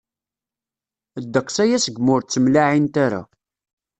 Ddeqs aya segmi ur ttemlaɛint ara.